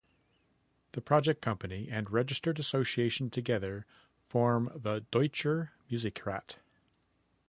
The project company and registered association together form the Deutscher Musikrat.